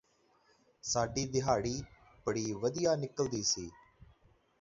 ਸਾਡੀ ਦਿਹਾੜੀ ਬੜੀ ਵਧੀਆ ਨਿਕਦੀ ਸੀ